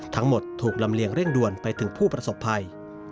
ทั้งหมดถูกลำเลียงเร่งด่วนไปถึงผู้ประสบภัย